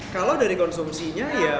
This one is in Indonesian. kalau dari konsumsinya